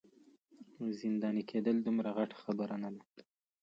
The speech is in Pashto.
زنداني کیدل دومره غټه خبره نه ده.